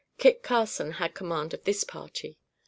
Kit Carson had command of this party.